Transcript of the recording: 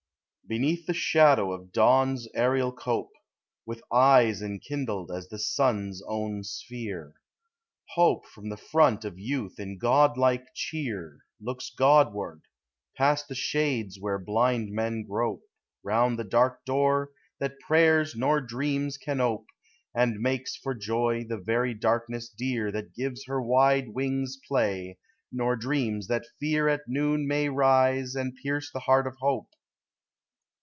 Beneath the shadow of dawn's aerial cope, With eves enkindled as the sun's own sphere, Hope from the front of youth in godlike cheer Looks Godward, past the shades where blind men grope Round the dark door that prayers nor dreams can ope, And makes for joy the very darkness dear That gives her wide wings play; nor dreams that fear At noon may rise and pierce the heart of hope.